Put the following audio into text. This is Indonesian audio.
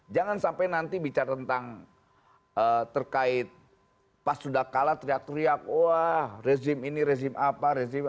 jangan sampai nanti bicara tentang terkait pas sudah kalah teriak teriak wah rezim ini rezim apa rezim apa